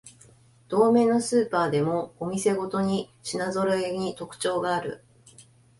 同名のスーパーでもお店ごとに品ぞろえに特徴がある